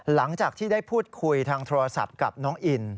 หลังจากที่ได้พูดคุยทางโทรศัพท์กับน้องอิน